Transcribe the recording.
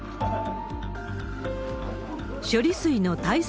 処理水の対策